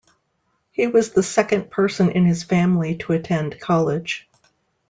He was the second person in his family to attend college.